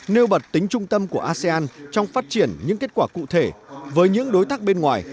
nêu bật tính trung tâm của asean trong phát triển những kết quả cụ thể với những đối tác bên ngoài